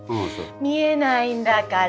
見えないんだから。